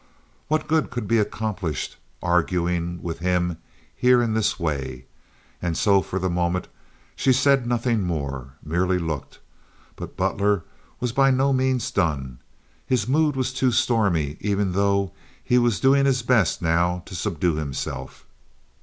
What good could be accomplished, arguing with him here in this way? And so for the moment, she said nothing more—merely looked. But Butler was by no means done. His mood was too stormy even though he was doing his best now to subdue himself.